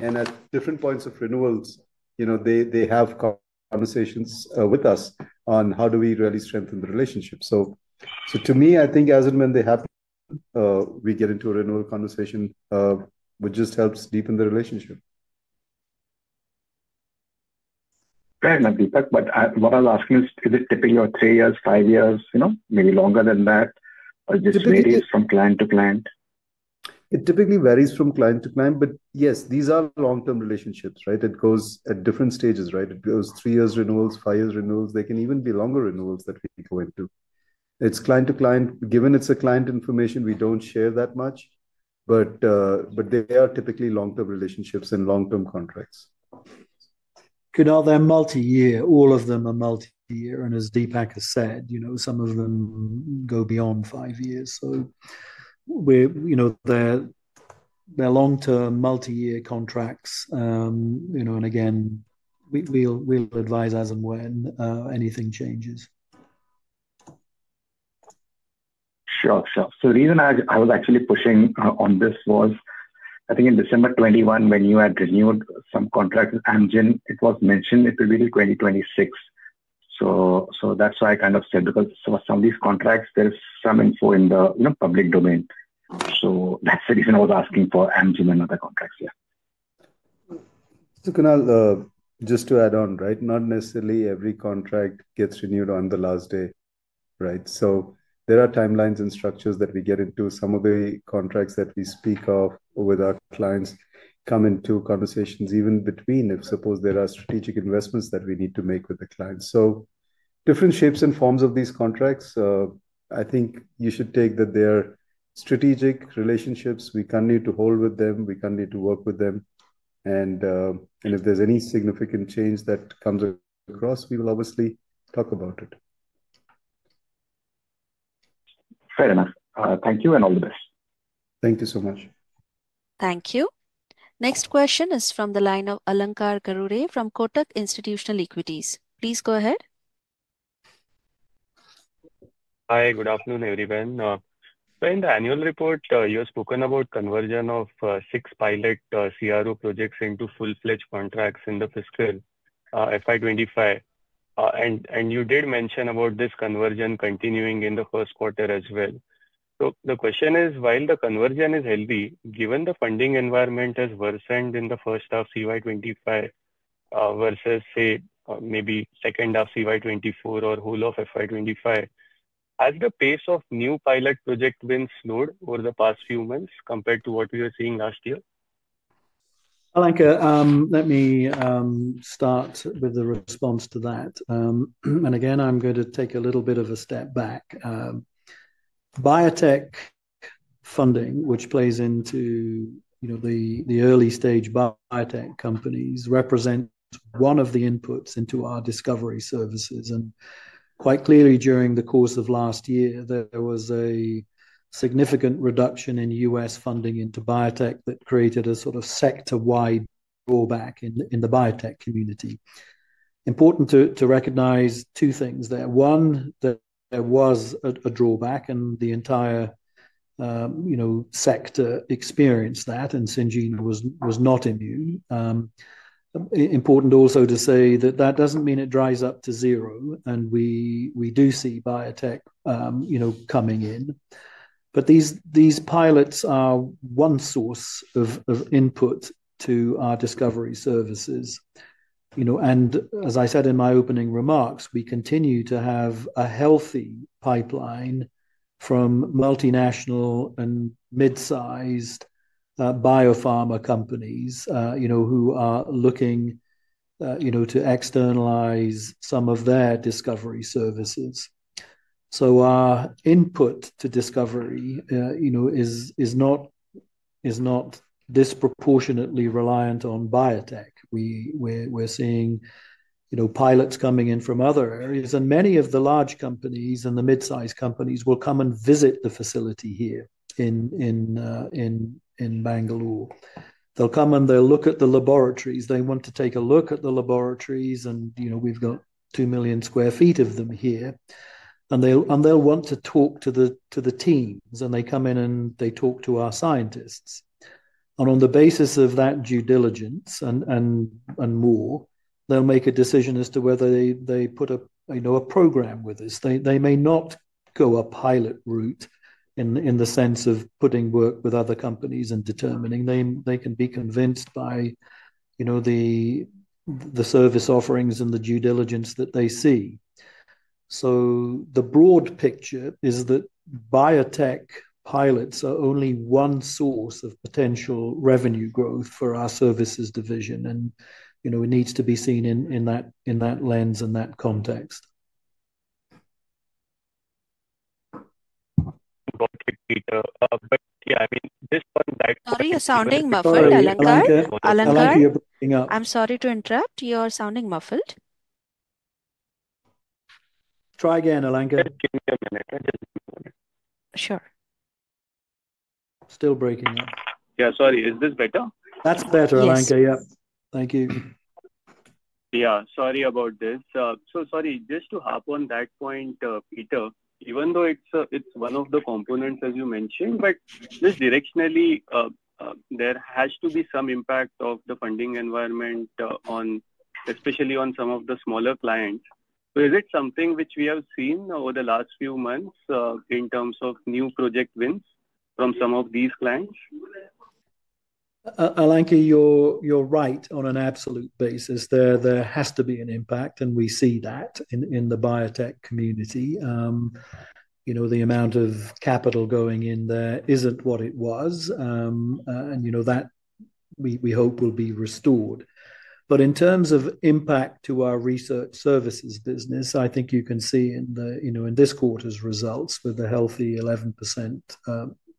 and at different points of renewals, you know, they they have conversations with us on how do we really strengthen the relationship. So so to me, I think as and when they have we get into a renewal conversation, which just helps deepen the relationship. Go ahead, Nadeepat. But I what I'll ask you is, is it typical of three years, five years, you know, maybe longer than that, or this varies from client to client? It typically varies from client to client, but, yes, these are long term relationships. Right? It goes at different stages. Right? It goes three years renewals, five years renewals. They can even be longer renewals that we go into. It's client to client. Given it's a client information, we don't share that much. But but they are typically long term relationships and long term contracts. Kunal, they're multiyear. All of them are multiyear. And as Deepak has said, you know, some of them go beyond five years. So we're you know, they're they're long term multiyear contracts. You know? And, again, we we'll we'll advise as and when anything changes. Sure. Sure. So the reason I I was actually pushing on this was, I in December 21 when you had renewed some contract with Amgen, it was mentioned it will be in 2026. So so that's why I kind of said because some of some of these contracts, there's some info in the, you know, public domain. So that's the reason I was asking for Amgen and other contracts. Yeah. So, Kanal, just to add on. Right? Not necessarily every contract gets renewed on the last day. Right? So there are are timelines and structures that we get into. Some of the contracts that we speak of with our clients come into conversations even between if suppose there are strategic investments that we need to make with the clients. So different shapes and forms of these contracts, I think you should take that they're strategic relationships. We can need to hold with them. We can need to work with them. And and if there's any significant change that comes across, we will obviously talk about it. Fair enough. Thank you, and all the best. Thank you so much. Thank you. Next question is from the line of Alankar Gurude from Kotak Institutional Equities. Please go ahead. Hi. Good afternoon, everyone. So in the annual report, you have spoken about conversion of six pilot CRO projects into full fledged contracts in the fiscal f I twenty five. And and you did mention about this conversion continuing in the first quarter as well. So the question is while the conversion is healthy, given the funding environment has worsened in the first half CY twenty five versus, say, maybe second half CY twenty four or whole of FY '25, has the pace of new pilot project been slowed over the past few months compared to what we were seeing last year? Alanka, let me start with the response to that. And, again, I'm gonna take a little bit of a step back. Biotech funding, which plays into, you know, the the early stage biotech companies, represent one of the inputs into our discovery services. And quite clearly, during the course of last year, there there was a significant reduction in US funding into biotech that created a sort of sector wide drawback in in the biotech community. Important to to recognize two things there. One, that there was a a drawback, and the entire, you know, sector experienced that, and Xinji was was not immune. Important also to say that that doesn't mean it dries up to zero, and we we do see biotech, you know, coming in. But these these pilots are one source of of input to our discovery services. You know? And as I said in my opening remarks, we continue to have a healthy pipeline from multinational and mid sized biopharma companies, you know, who are looking, you know, to externalize some of their discovery services. So our input to discovery, you know, is is not is not disproportionately reliant on biotech. We we're we're seeing, you know, pilots coming in from other areas, and many of the large companies and the midsized companies will come and visit the facility here in in in in Bangalore. They'll come and they'll look at the laboratories. They want to take a look at the laboratories, and, you know, we've got 2,000,000 square feet of them here. And they'll and they'll want to talk to the to the teams, and they come in and they talk to our scientists. And on the basis of that due diligence and and and more, they'll make a decision as to whether they they put up, you know, a program with us. They they may not go a pilot route in in the sense of putting work with other companies and determining. They they can be convinced by, you know, the the service offerings and the due diligence that they see. So the broad picture is that biotech pilots are only one source of potential revenue growth for our services division, and, you know, it needs to be seen in in that in that lens, in that context. Okay, Peter. But, yeah, I mean, this one Sorry. You're sounding muffled, Alankar. Alankar. Up. I'm sorry to interrupt. You're sounding muffled. Try again, Elanca. Sure. Still breaking up. Yeah. Sorry. Is this better? That's better, Elanca. Yep. Thank you. Yeah. Sorry about this. So sorry. Just to hop on that point, Peter, even though it's, it's one of the components that you mentioned, but just directionally, there has to be some impact of the funding environment, on especially on some of the smaller clients. So is it something which we have seen over the last few months, in terms of new project wins from some of these clients? Alanki, you're you're right on an absolute basis. Basis. There there has to be an impact, and we see that in in the biotech community. You know, the amount of capital going in there isn't what it was, and, you know, that we we hope will be restored. But in terms of impact to our research services business, I think you can see in the you know, in this quarter's results with a healthy 11%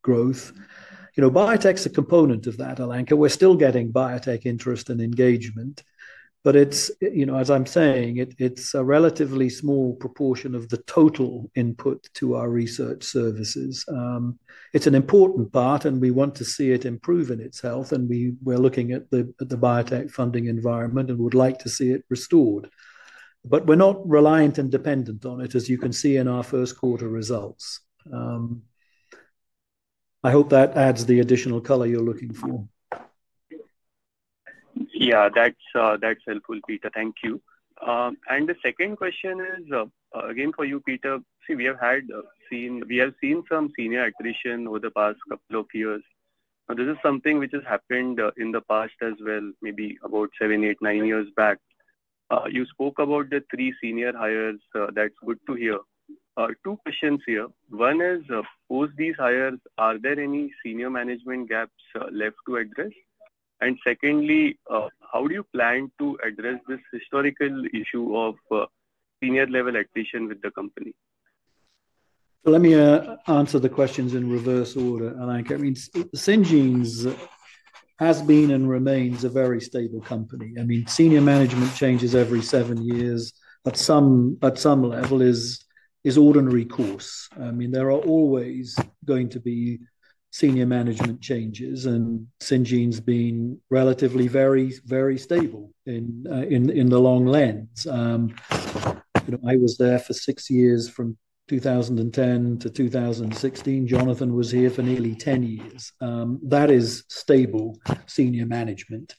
growth. You know, biotech's a component of that, Alanka. We're still getting biotech interest and engagement, but it's you know, as I'm saying, it it's a relatively small proportion of the total input to our research services. It's an important part, and we want to see it improve in itself. And we we're looking at the at the biotech funding environment and would like to see it restored. But we're not reliant and dependent on it as you can see in our first quarter results. I hope that adds the additional color you're looking for. Yeah. That's, that's helpful, Peter. Thank you. And the second question is, again, for you, Peter. See, we have had seen we have seen some senior attrition over the past couple of years. This is something which has happened in the past as well, maybe about seven, eight, nine years back. You spoke about the three senior hires. That's good to hear. Two questions here. One is, post these hires, are there any senior management gaps left to address? And secondly, how do you plan to address this historical issue of senior level attrition with the company? Let me answer the questions in reverse order, Alayk. I mean, Syngene has been and remains a very stable company. I mean, senior management changes every seven years at some at some level is is ordinary course. I mean, there are always going to be senior management changes, and Cinjin's been relatively very, very stable in in in the long lens. You know, I was there for six years from 2010 to 02/2016. Jonathan was here for nearly ten years. That is stable senior management.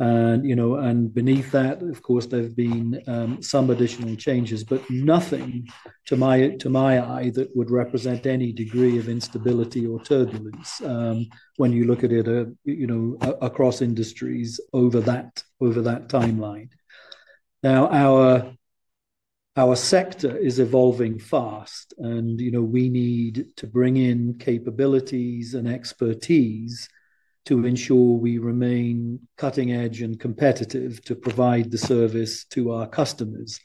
And, you know, and beneath that, of course, there have been some additional changes, but nothing to my to my eye that would represent any degree of instability or turbulence when you look at it, you know, across industries over that over that timeline. Now our our sector is evolving fast, and, you know, we need to bring in capabilities and expertise to ensure we remain cutting edge and competitive to provide the service to our customers.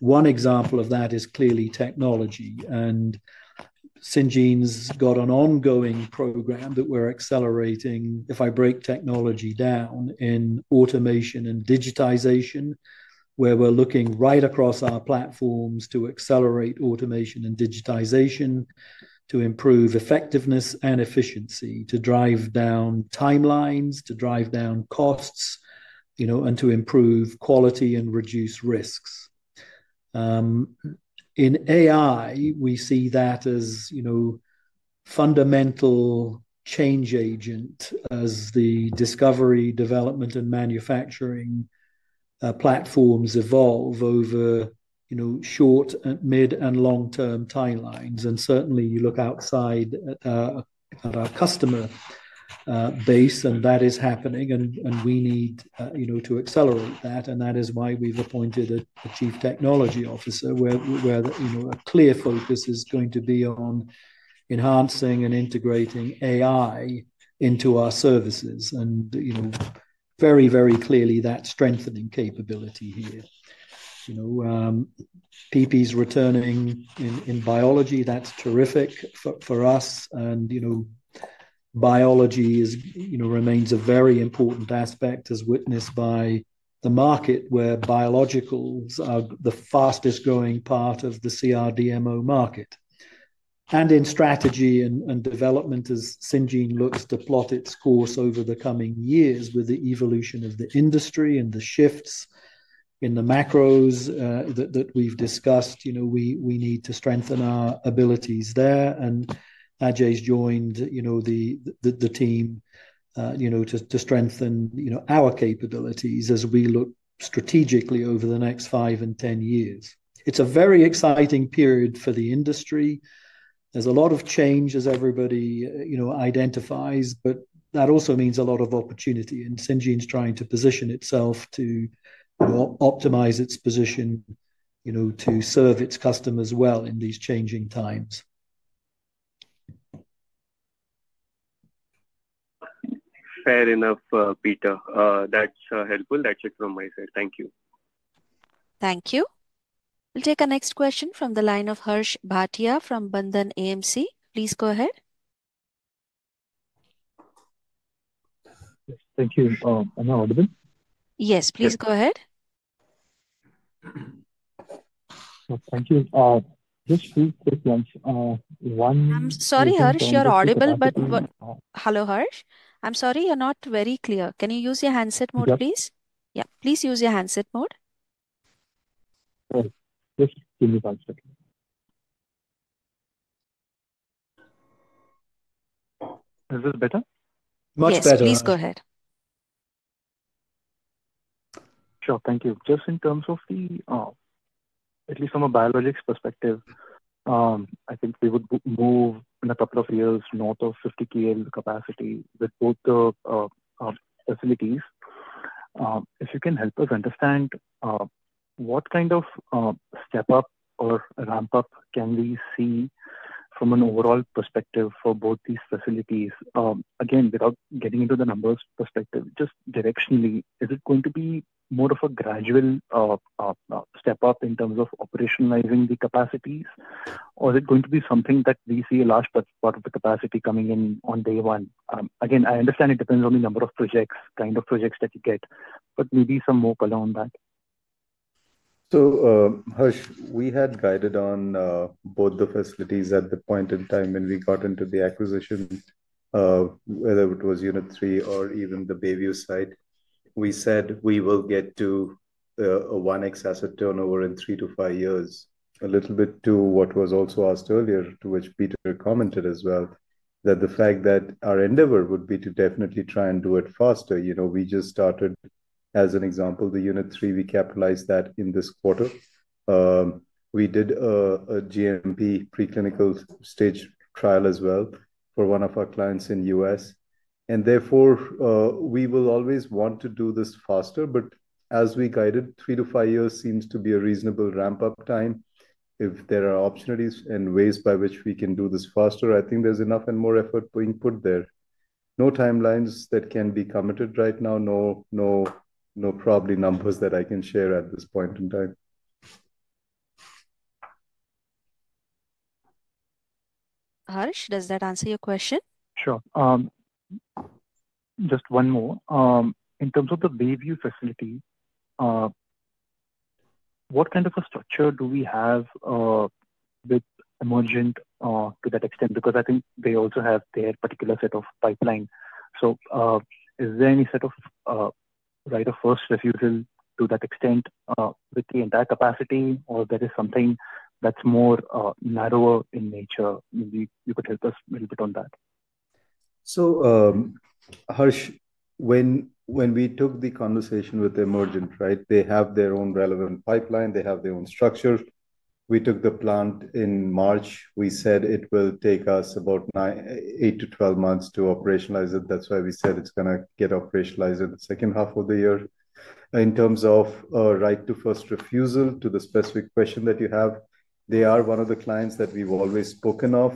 One example of that is clearly technology, and Syngene's got an ongoing program that we're accelerating if I break technology down in automation and digitization, where we're looking right across our platforms to accelerate automation and digitization, to improve effectiveness and efficiency, to drive down timelines, to drive down costs, you know, and to improve quality and reduce risks. In AI, we see that as, you know, fundamental change agent as the discovery, development, and manufacturing platforms evolve over, you know, short, mid, and long term timelines. And, certainly, you look outside of our customer base, and that is happening. And and we need, you know, to accelerate that, and that is why we've appointed a a chief technology officer where where, you know, a clear focus is going to be on enhancing and integrating AI into our services and, you know, very, very clearly that strengthening capability here. You know? PP's returning in in biology. That's terrific for for us. And, you know, biology is you know, remains a very important aspect as witnessed by the market where biologicals are the fastest growing part of the CRDMO market. And in strategy and and development as Syngene looks to plot its course over the coming years with the evolution of the industry and the shifts in the macros that that we've discussed, you know, we we need to strengthen our abilities there. And Ajay's joined, you know, the the the team, you know, to to strengthen, you know, our capabilities as we look strategically over the next five and ten years. It's a very exciting period for the industry. There's a lot of change as everybody, you know, identifies, but that also means a lot of opportunity. And Syngene's trying to position itself to optimize its position, you know, to serve its customers well in these changing times. Fair enough, Peter. That's helpful. That's it from my side. Thank you. Thank you. We'll take our next question from the line of Harsh Bhatia from Bandhan AMC. Please go ahead. Thank you. Am I audible? Yes. Please go ahead. Thank you. Just I'm sorry, Harsh. You're audible, but what hello, Harsh? I'm sorry. You're not very clear. Can you use your handset mode, please? Yeah. Please use your handset mode. Alright. Just give me one second. Is this better? Much better. Please go ahead. Sure. Thank you. Just in terms of the at least from a biologics perspective, I think we would move in a couple of years north of 50 k l capacity with both the facilities. If you can help us understand what kind of step up or ramp up can we see from an overall perspective for both these facilities? Again, without getting into the numbers perspective, just directionally, is it going to be more of a gradual step up in terms of operationalizing the capacities? Or is it going to be something that we see a large part part of the capacity coming in on day one? Again, I understand it depends on the number of projects, kind of projects that you get, but maybe some more color on that. So, Harsh, we had guided on both the facilities at the point in time when we got into the acquisition, whether it was Unit 3 or even the Bayview site. We said we will get to a one excess turnover in three to five years, a little bit to what was also asked earlier to which Peter commented as well, that the fact that our endeavor would be to definitely try and do it faster. You know, we just started, as an example, the Unit 3. We capitalized that in this quarter. We did a GMP preclinical stage trial as well for one of our clients in US. And, therefore, we will always want to do this faster. But as we guided, three to five years seems to be a reasonable ramp up time. If there are opportunities and ways by which we can do this faster, I think there's enough and more effort being put there. No timelines that can be committed right now. No no no probably numbers that I can share at this point in time. Harsh, does that answer your question? Sure. Just one more. In terms of the Bayview facility, what kind of a structure do we have with emergent to that extent? Because I think they also have their particular set of pipeline. So is there any set of right of first refusal to that extent with the entire capacity, or that is something that's more narrower in nature? Maybe you could help us a little bit on that. So, Harsh, when when we took the conversation with Emergent, right, they have their own relevant pipeline. They have their own structure. We took the plant in March. We said it will take us about eight to twelve months to operationalize it. That's why we said it's gonna get operationalized in the second half of the year. In terms of right to first refusal to the specific question that you have, they are one of the clients that we've always spoken of.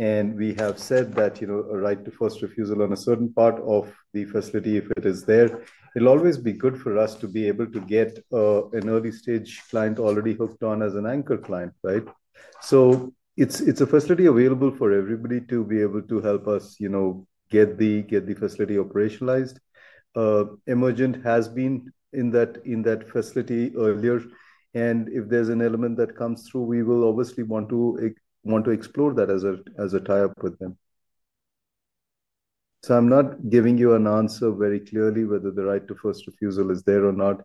And we have said that, you know, a right to first refusal on a certain part of the facility if it is there. It'll always be good for us to be able to get an early stage client already hooked on as an anchor client. Right? So it's it's a facility available for everybody to be able to help us, you know, get the get the facility operationalized. Emergent has been in that in that facility earlier. And if there's an element that comes through, we will obviously want to want to explore that as a as a tie up with them. So I'm not giving you an answer very clearly whether the right to first refusal is there or not.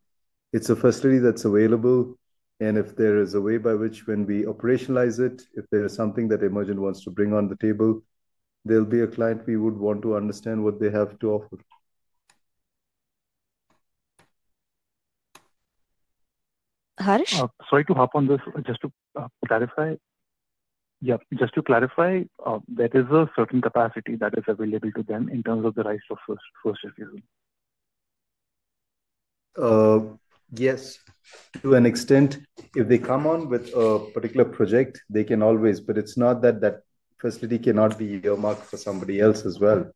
It's a first three that's available. And if there is a way by which when we operationalize it, if there is something that Emergent wants to bring on the table, there'll be a client we would want to understand what they have to offer. Harish? Sorry to hop on this. Just to clarify. Yep. Just to clarify, there is a certain capacity that is available to them in terms of the rise of first first review. Yes. To an extent, if they come on with a particular project, they can always, but it's not that that facility cannot be earmarked for somebody else as well.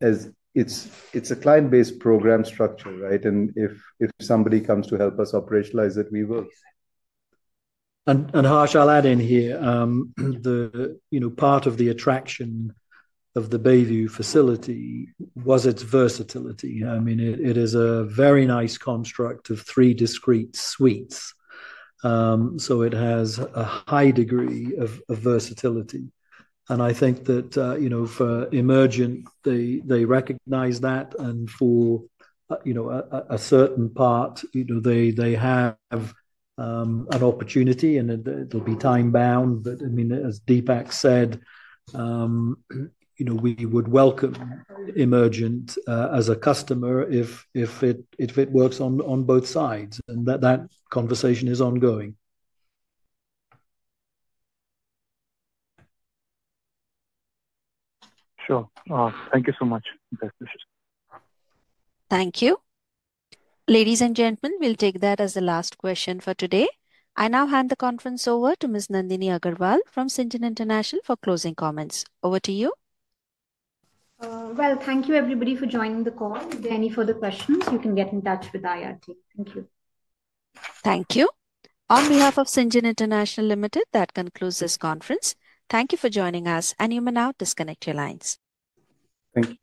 As it's it's a client based program structure. Right? And if if somebody comes to help us operationalize it, we will And and, Harsh, I'll add in here. The you know, part of the attraction of the Bayview facility was its versatility. I mean, it it is a very nice construct of three discrete suites, so it has a high degree of of versatility. And I think that, you know, for Emergent, they they recognize that. And for, you know, a a certain part, either they they have an opportunity, and it it'll be time bound. But, I mean, as Deepak said, you know, we would welcome Emergent as a customer if if it if it works on on both sides, and that that conversation is ongoing. Gentlemen, we'll take that as the last question for today. I now hand the conference over to Ms. Nandini Agarwal from Syngene International for closing comments. Over to you. Well, thank you, everybody, for joining the call. If there are any further questions, you can get in touch with IR team. Thank you. Thank you. On behalf of Syngene International Limited, that concludes this conference. Thank you for joining us, and you may now disconnect your lines. Thank you.